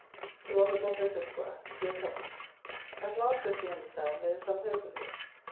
TO ROBERT LOVELACE, ESQ. DEAR COUSIN, At last, as we understand, there is some hope of you.